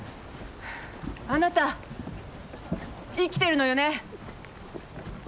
あなた生きてるのよね